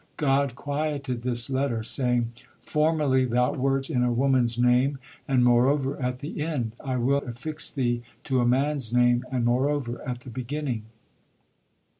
God quieted this letter, saying: "Formerly thou wert in a woman's name, and, moreover, at the end. I will not affix thee to a man's name, and, moreover, at the beginning."